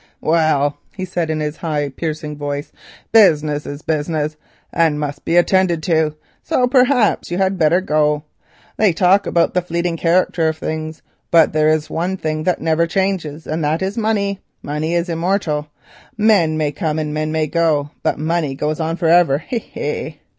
"Well," he said, in his high, piercing voice, "business is business, and must be attended to, so perhaps you had better go. They talk about the fleeting character of things, but there is one thing that never changes, and that is money. Money is immortal; men may come and men may go, but money goes on for ever. Hee! hee!